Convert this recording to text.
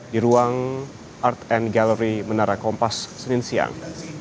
di ruang art and gallery menara kompas senin siang